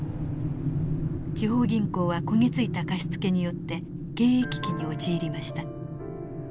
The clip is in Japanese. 地方銀行は焦げ付いた貸し付けによって経営危機に陥りました。